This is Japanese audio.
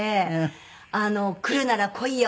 来るなら来いよ！